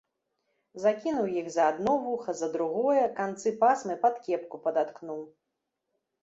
Закінуў іх за адно вуха, за другое, канцы пасмы пад кепку падаткнуў.